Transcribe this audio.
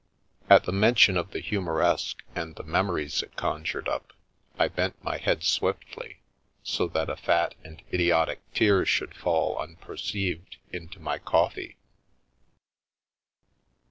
At the mention of the " Humoreske " and the memo ries it conjured up, I bent my head swiftly, so that a fat and idiotic tear should fall, unperceived, into my coffee.